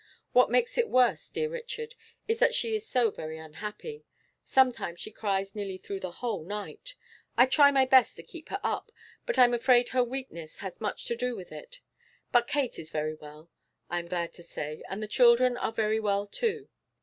What makes it worse, dear Richard, is that she is so very unhappy. Sometimes she cries nearly through the whole night. I try my best to keep her up, but I'm afraid her weakness has much to do with it. But Kate is very well, I am glad to say, and the children are very well too.